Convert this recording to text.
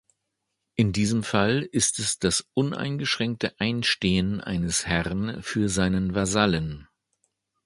In diesem Fall ist es das uneingeschränkte Einstehen eines Herren für seinen Vasallen.